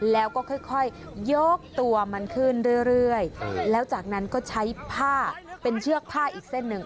แล้วก็ค่อยยกตัวมันขึ้นเรื่อยแล้วจากนั้นก็ใช้ผ้าเป็นเชือกผ้าอีกเส้นหนึ่ง